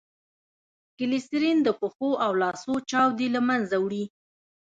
ګلیسرین دپښو او لاسو چاودي له منځه وړي.